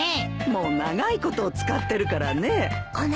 もう長いこと使ってるからね。